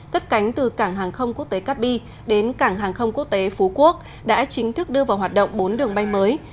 cất cánh từ cảng hàng không quốc tế cát bi đến cảng hàng không quốc tế phú quốc đã chính thức đưa vào hoạt động bốn đường bay mới